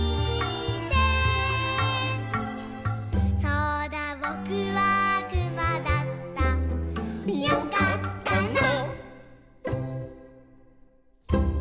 「そうだぼくはくまだった」「よかったな」